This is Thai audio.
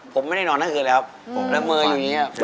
ผมไม่ได้นอนทั้งคืนแล้วละเมออยู่นี่